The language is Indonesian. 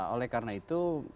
oleh karena itu